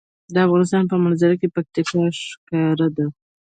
د افغانستان په منظره کې پکتیا ښکاره ده.